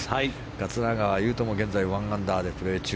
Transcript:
桂川有人も現在１アンダーでプレー中。